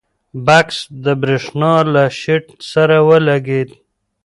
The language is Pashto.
بکس د برېښنا له شیټ سره ولګېد.